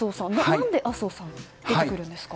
なぜ麻生さんが出てくるんですか？